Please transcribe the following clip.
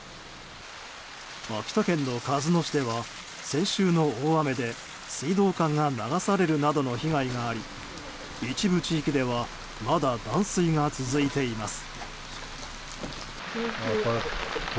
秋田県の鹿角市では先週の大雨で水道管が流されるなどの被害があり一部地域ではまだ断水が続いています。